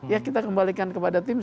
ya kita kembalikan kepada tim